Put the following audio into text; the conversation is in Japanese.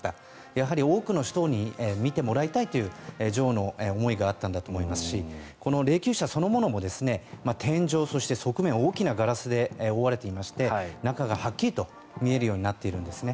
やはり多くの人に見てもらいたいという女王の思いがあったんだと思いますしこの霊きゅう車そのものも天井、側面が大きなガラスで覆われていまして中がはっきりと見えるようになっているんですね。